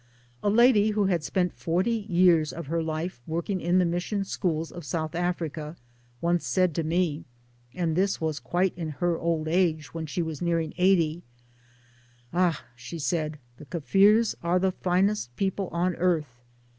A lady who had spent 'forty years of her life working in the Mission Schools of South' Africa once said to me and this was quite in her old age, when she was nearing eighty" Ah 1 " she said, " the Kaffirs are the finest people on earth.